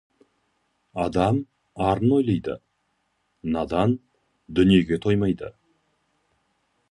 Адам арын ойлайды, надан дүниеге тоймайды.